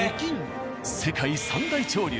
世界３大潮流